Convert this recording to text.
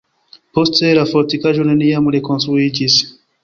Poste la fortikaĵo neniam rekonstruiĝis.